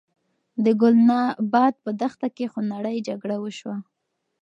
د ګلناباد په دښته کې خونړۍ جګړه وشوه.